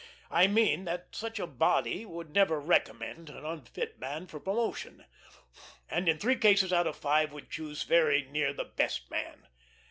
I mean, that such a body would never recommend an unfit man for promotion, and in three cases out of five would choose very near the best man.